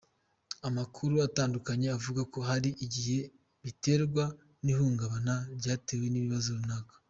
Amakuru atandukanye avuga ko hari n’igihe biterwa n’ihungabana ryatewe n’ikibazo runaka.